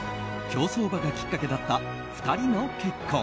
競走馬がきっかけだった２人の結婚。